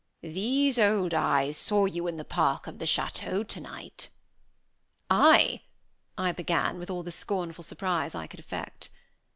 "These old eyes saw you in the park of the château tonight." "I!" I began, with all the scornful surprise I could affect.